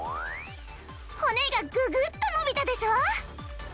骨がググッとのびたでしょ！